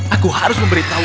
aku harus memberitahu